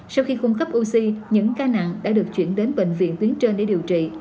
sau khi cung cấp oxy những ca nặng đã được chuyển đến bệnh viện tuyến trên để điều trị